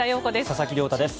佐々木亮太です。